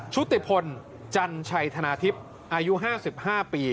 ชุติพลจันชัยธนาทิพย์อายุ๕๕ปี